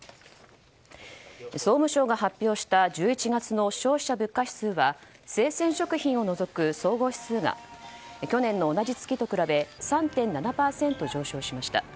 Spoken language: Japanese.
総務省が発表した１１月の消費者物価指数は生鮮食品を除く総合指数が去年の同じ月と比べ３．７％上昇しました。